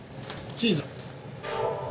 チーズ。